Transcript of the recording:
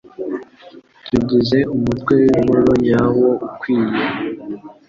tugize umutwe winkuru nyawo ukwiye